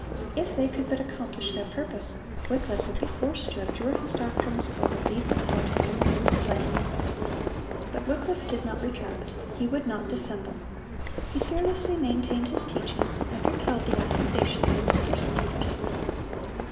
If they could but accomplish their purpose, Wycliffe would be forced to abjure his doctrines, or would leave the court only for the flames. But Wycliffe did not retract; he would not dissemble. He fearlessly maintained his teachings, and repelled the accusations of his persecutors.